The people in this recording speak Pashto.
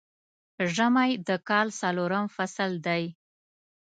ژمی د کال څلورم فصل دی